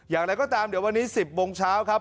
อย่างไรก็ตามเดี๋ยววันนี้๑๐โมงเช้าครับ